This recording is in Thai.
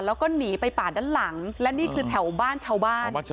แล้วก็หนีไปป่าด้านหลังและนี่คือแถวบ้านชาวบ้าน